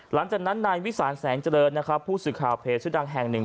หลังจากนั้นนายวิสานแสงเจริญนะครับผู้สื่อข่าวเพจชื่อดังแห่งหนึ่ง